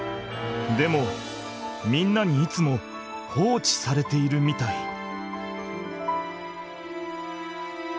でもみんなにいつも放置されているみたい。